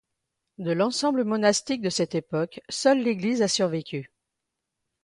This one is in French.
De l'ensemble monastique de cette époque, seule l'église a survécu.